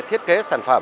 thiết kế sản phẩm